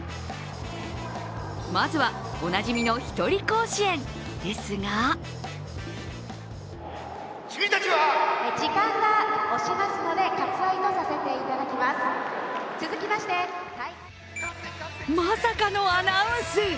まずは、おなじみの「ひとり甲子園」ですがまさかのアナウンス。